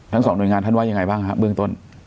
ทั้งสองหน่วยงานท่านว่ายังไงบ้างครับเบื้องต้น